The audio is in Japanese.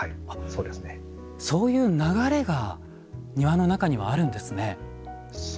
そういう流れが庭の中にはあるんですね。